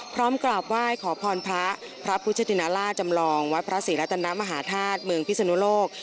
พร้อมกราบไหว้ขอพรพระพระพุทธินล่าจำลองวัดพระศรีรัตนมหาธาตุเมืองพิศนุโลก